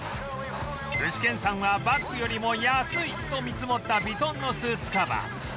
具志堅さんはバッグよりも安いと見積もったヴィトンのスーツカバー